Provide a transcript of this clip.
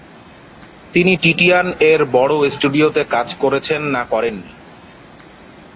তিনি টিটিয়ানএর বড় স্টুডিওতে কাজ করেছেন না করেন নি।